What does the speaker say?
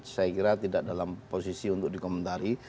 saya kira tidak dalam posisi untuk dikomentari